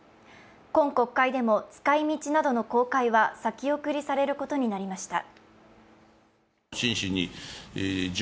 今国会でも使いみちなどの公開は先送りされることになりました。